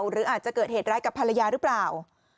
หรืออาจจะเกิดเหตุร้ายกับภรรยาหรือเปล่า